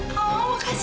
mama lupa aku